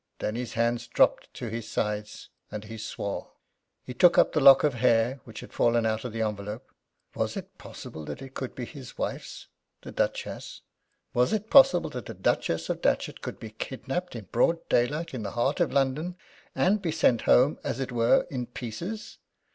Then his hands dropped to his sides and he swore. He took up the lock of hair which had fallen out of the envelope. Was it possible that it could be his wife's, the Duchess? Was it possible that a Duchess of Datchet could be kidnapped, in broad daylight, in the heart of London, and be sent home, as it were, in pieces?